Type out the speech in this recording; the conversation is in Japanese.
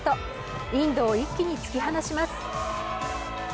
インドを一気に突き放します。